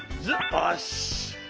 よし！